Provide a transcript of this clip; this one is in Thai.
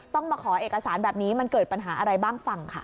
ต้องมาขอเอกสารแบบนี้มันเกิดปัญหาอะไรบ้างฟังค่ะ